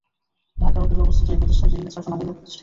ঢাকার অদূরে অবস্থিত এই প্রতিষ্ঠানটি ইংরেজ শাসনামলে প্রতিষ্ঠিত।